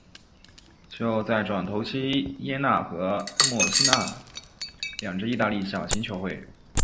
其后再转投锡耶纳和墨西拿两支意大利小型球会。